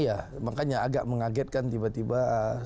iya makanya agak mengagetkan tiba tiba